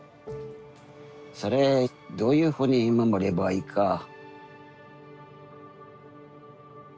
それどういうふうに守ればいいか。